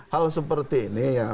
hal seperti ini ya